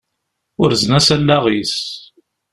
Urzen-as allaɣ-is.